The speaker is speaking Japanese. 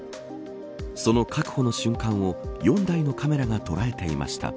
その確保の瞬間を４台のカメラが捉えていました。